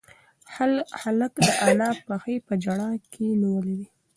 هلک د انا پښې په ژړا کې نیولې وې.